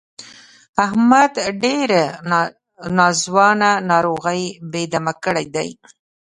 احمد ډېرې ناځوانه ناروغۍ بې دمه کړی دی.